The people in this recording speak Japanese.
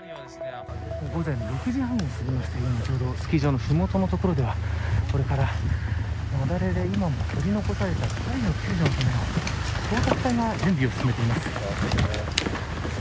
午前６時半を過ぎましたけれどもスキー場の麓の所ではこれから雪崩で今も取り残された２人の救助のための捜索隊が準備を進めています。